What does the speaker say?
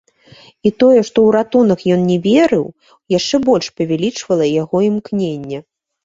І тое, што ў ратунак ён не верыў, яшчэ больш павялічвала яго імкненне.